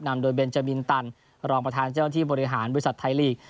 นำโดยเบนจามินตันรองประธานเจ้าหน้าที่บริหารบริษัทไทยลีก